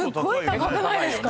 高くないですか？